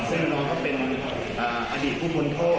ซึ่งน้องเขาเป็นอดีตผู้พ้นโทษ